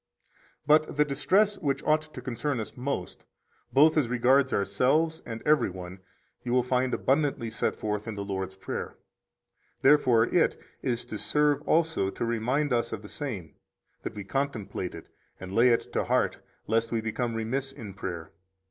27 But the distress which ought to concern us most, both as regards ourselves and every one, you will find abundantly set forth in the Lord's Prayer. Therefore it is to serve also to remind us of the same, that we contemplate it and lay it to heart, lest we become remiss in prayer.